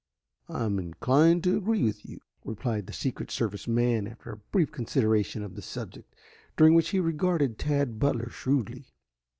"I am inclined to agree with you," replied the Secret Service man after a brief consideration of the subject, during which he regarded Tad Butler shrewdly.